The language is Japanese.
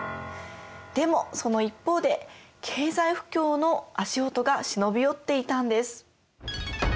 でもその一方で経済不況の足音が忍び寄っていたんです。